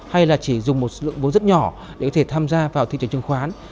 hay là chỉ dùng một lượng vốn rất nhỏ để có thể tham gia vào thị trường chứng khoán